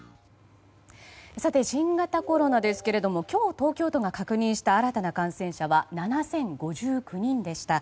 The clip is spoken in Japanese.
新型コロナですけれども今日、東京都が確認した新たな感染者は７０５９人でした。